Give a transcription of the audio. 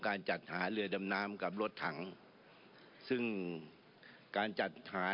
การจัดหาเรือดำน้ำกับรถถังซึ่งการจัดหา